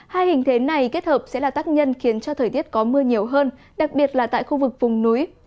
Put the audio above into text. hai hình thế này kết hợp sẽ là tác nhân khiến cho thời tiết có mưa nhiều hơn đặc biệt là tại khu vực vùng núi